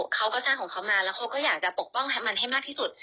เขาก็จ้างของเขามาแล้วเขาก็อยากจะปกป้องให้มันให้มากที่สุด